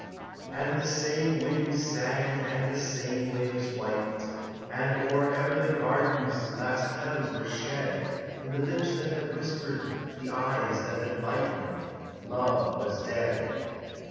And the same wind sang and the same waves whitened, And or ever the garden's last petals were shed, In the lips that had whispered, the eyes that had lightened, Love was dead.